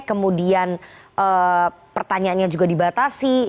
kemudian pertanyaannya juga dibatasi